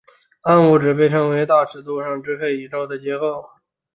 暗物质被认为是在大尺度上支配着宇宙的结构。